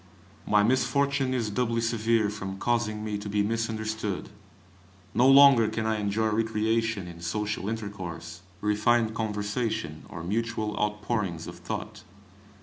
My misfortune is doubly severe from causing me to be misunderstood. No longer can I enjoy recreation in social intercourse, refined conversation, or mutual outpourings of thought.